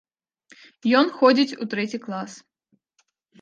Ён ходзіць у трэці клас.